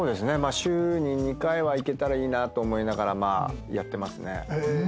週に２回は行けたらいいなと思いながらやってますね。